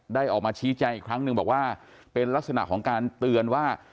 ออกมาชี้แจงอีกครั้งหนึ่งบอกว่าเป็นลักษณะของการเตือนว่า